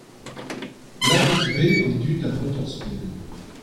Lakaet e vez an dud da c'hortoz pell.